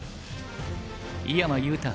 井山裕太